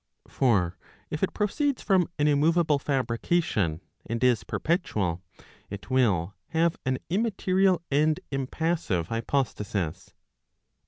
439 For if it proceeds from an immoveable fabrication, and is perpetual, it will have an immaterial and impassive hypostasis.